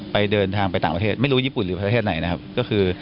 เดินทางไปต่างประเทศไม่รู้ญี่ปุ่นหรือประเทศไหนนะครับก็คือ